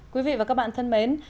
quý vị và các bạn thân mến